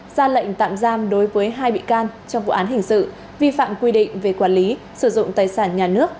ra lệnh tạm giam đối với hai bị can trong vụ án hình sự vi phạm quy định về quản lý sử dụng tài sản nhà nước